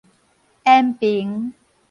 延平